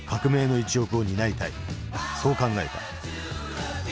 そう考えた。